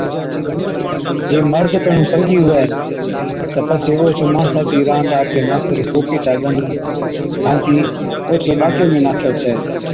جي مرد پيھڻُون سرگِي ھُوَي تہ پڇي اوھچ ماڻسا چِي رانڏ آپڪي ناکوڙي ڪوڪي چا ڳنڏ ڀانتِي اوڇي ٻاڪي ۾ ناکَي ڇَي